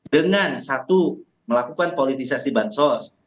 dengan satu melakukan politisasi bansos